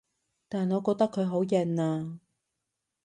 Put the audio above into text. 但我覺得佢好型啊